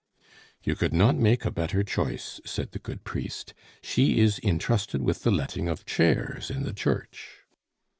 "You could not make a better choice," said the good priest; "she is intrusted with the letting of chairs in the church."